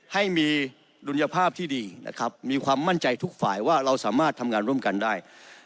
ให้มีดุลยภาพที่ดีนะครับมีความมั่นใจทุกฝ่ายว่าเราสามารถทำงานร่วมกันได้